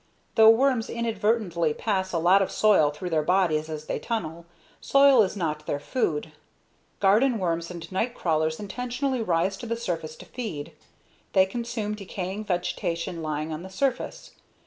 Though worms inadvertently pass a lot of soil through their bodies as they tunnel, soil is not their food. Garden worms and nightcrawlers intentionally rise to the surface to feed. They consume decaying vegetation lying on the surface.